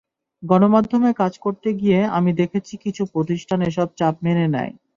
গণমাধ্যমে কাজ করতে গিয়ে আমি দেখেছি কিছু প্রতিষ্ঠান এসব চাপ মেনে নেয়।